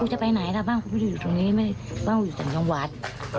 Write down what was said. พี่จะไปไหนบ้างจะอยู่ตรงนี้บ้างอยู่ตรงจังหวัด